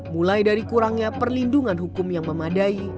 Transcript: mulai dari kurangnya perlindungan hukum yang memadai